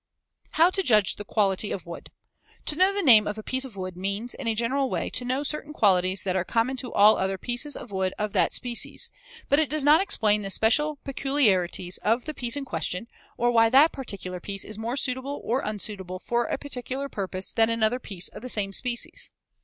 How to judge the quality of wood: To know the name of a piece of wood means, in a general way, to know certain qualities that are common to all other pieces of wood of that species, but it does not explain the special peculiarities of the piece in question or why that particular piece is more suitable or unsuitable for a particular purpose than another piece of the same species.